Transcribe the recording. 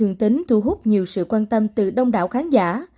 thông tin của thương tính thu hút nhiều sự quan tâm từ đông đảo khán giả